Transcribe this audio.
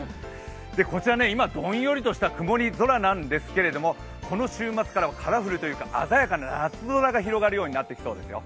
こちら今、どんよりとした曇り空なんですけれども、この週末からはカラフルというか鮮やかな夏空になっていきそうですよ。